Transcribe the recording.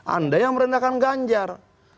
anda yang merendahkan ganjar